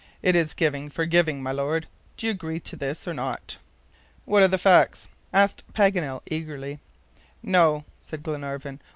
It is giving for giving, my Lord. Do you agree to this or not?" "What are the facts?" asked Paganel eagerly. "No," said Glenarvan.